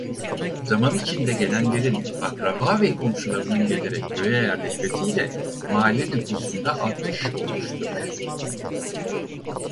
Zaman içinde gelenlerin akraba ve komşularının gelerek köye yerleşmesiyle mahalle nüfusunda artış olmuştur.